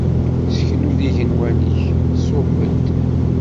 Sseknu-d igenwan-ik, ṣubb-d!